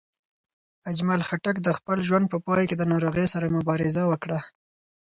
اجمل خټک د خپل ژوند په پای کې د ناروغۍ سره مبارزه وکړه.